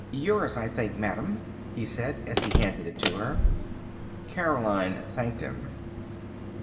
"Yours, I think, madame," he said, as he handed it to her. Caroline thanked him.